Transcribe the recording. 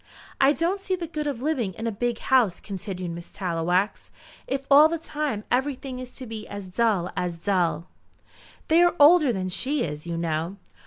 "I don't see the good of living in a big house," continued Miss Tallowax, "if all the time everything is to be as dull as dull." "They are older than she is, you know."